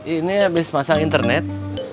ini abis pasang internet